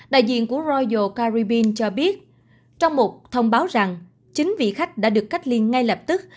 đại diện của royal caribbean cho biết trong một thông báo rằng chính vị khách đã được cách liên ngay lập tức